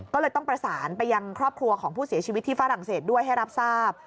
ก็เลยต้องประสานไปยังครอบครัวของผู้เสียชีวิตที่ฝรั่งเศสด้วยให้รับทราบ